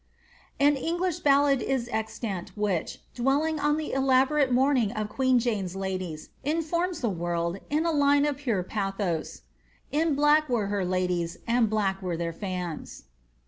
''' An English ballad is extant, which, dwelling on the elaborate moann ing of queen Jane's ladies, informs the world, in a line of pure bathos In black were her ladies, and black were their fima."